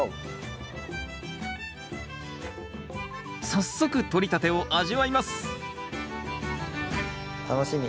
早速とりたてを味わいます楽しみ。